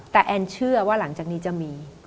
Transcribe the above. แต่แอนเชื่อว่าหลังจากนี้จะมี